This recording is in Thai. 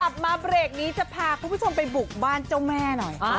มาเบรกนี้จะพาคุณผู้ชมไปบุกบ้านเจ้าแม่หน่อย